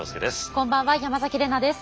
こんばんは山崎怜奈です。